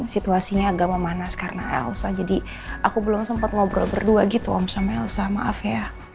situasinya agak memanas karena elsa jadi aku belum sempat ngobrol berdua gitu om sama elsa maaf ya